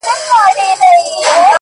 زه چي په بې سېکه گوتو څه وپېيم;